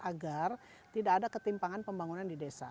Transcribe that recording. agar tidak ada ketimpangan pembangunan di desa